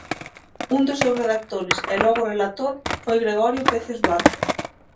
Un dos seus redactores e logo relator foi Gregorio Peces Barba.